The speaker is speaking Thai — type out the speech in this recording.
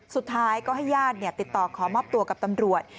สุดท้ายก็ให้ญาติติดต่อขอมอบตัวกับตำรวจ